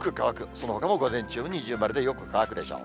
そのほかも午前中、二重丸でよく乾くでしょう。